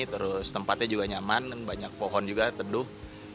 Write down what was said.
terus tempatnya juga nyaman banyak pohon juga teduh